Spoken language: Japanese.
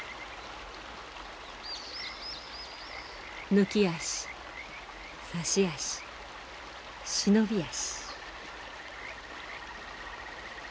抜き足差し足忍び足。